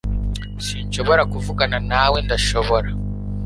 Sinshobora kuvugana nawe ndashobora